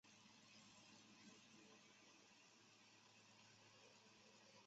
万历二年甲戌科第三甲第一百零二名进士。